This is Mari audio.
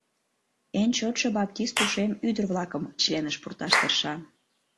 Эн чотшо баптист ушем ӱдыр-влакым членыш пурташ тырша.